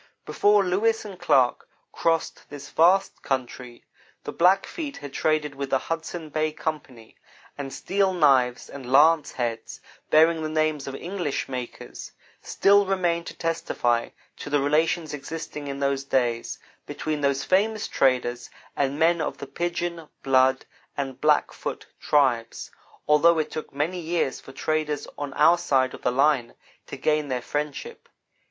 Before Lewis and Clark crossed this vast country, the Blackfeet had traded with the Hudson Bay Company, and steel knives and lance heads, bearing the names of English makers, still remain to testify to the relations existing, in those days, between those famous traders and men of the Piegan, Blood, and Blackfoot tribes, although it took many years for traders on our own side of the line to gain their friendship.